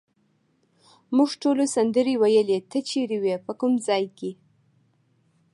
موږ ټولو سندرې وویلې، ته چیرې وې، په کوم ځای کې؟